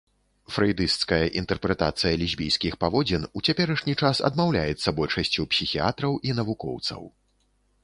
Фрэйдысцкая інтэрпрэтацыя лесбійскіх паводзін у цяперашні час адмаўляецца большасцю псіхіятраў і навукоўцаў.